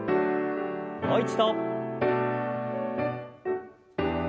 もう一度。